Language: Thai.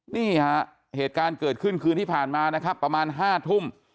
นี่ฮะเหตุการณ์เกิดขึ้นคืนที่ผ่านมานะครับประมาณ๕ทุ่ม